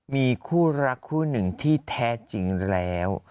มีคู่รักคู่หนึ่งที่แท้จริงแล้ว